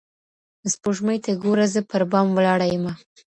o سپوږمۍ ته گوره زه پر بام ولاړه يمه.